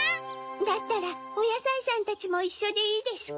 だったらおやさいさんたちもいっしょでいいですか？